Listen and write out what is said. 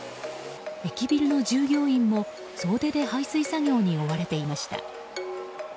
駅ビルの従業員も総出で排水作業に追われていました。